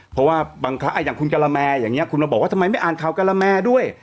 เพราะว่าบางครั้งอย่างคุณกะละแมอย่างนี้คุณมาบอกว่าทำไมไม่อ่านข่าวกะละแมด้วย